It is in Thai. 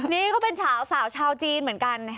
นี่ก็เป็นสาวชาวจีนเหมือนกัน